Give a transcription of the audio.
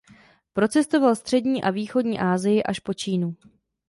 Procestoval střední a východní Asii až po Čínu.